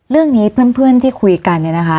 เรื่องนี้เพื่อนที่คุยกันเนี่ยนะคะ